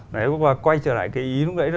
đấy và quay trở lại cái ý lúc đấy